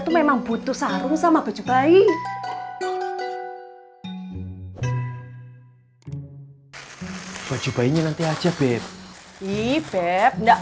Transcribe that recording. tuh memang butuh sarung sama baju bayi baju bayinya nanti aja bebek enggak